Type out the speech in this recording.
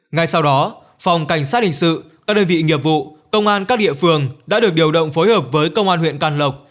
ngay sau đó phòng cảnh sát hình sự các đơn vị nghiệp vụ công an các địa phương đã được điều động phối hợp với công an huyện can lộc